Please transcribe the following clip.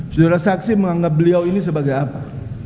saudara saksi menganggap beliau ini sebagai apa